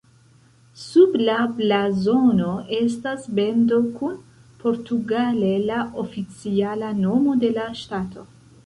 Sub la blazono estas bendo kun portugale la oficiala nomo de la ŝtato.